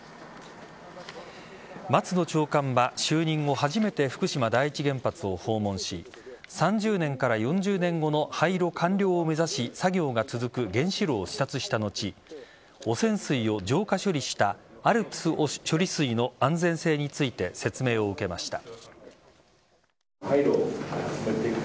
松野長官は就任後初めて福島第一原発を訪問し３０年から４０年後の廃炉完了を目指し作業が続く原子炉を視察した後汚染水を浄化処理したＡＬＰＳ処理水の安全性について説明を受けました。